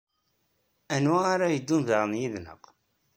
Anwa ara yeddun daɣen yid-neɣ?